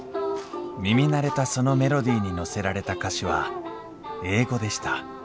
耳慣れたそのメロディーに乗せられた歌詞は英語でした。